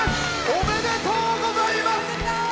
おめでとうございます。